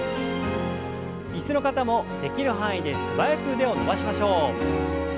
椅子の方もできる範囲で素早く腕を伸ばしましょう。